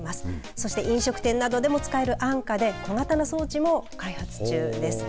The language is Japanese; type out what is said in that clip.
そして飲食店などでも使える安価で小型の装置も開発中です。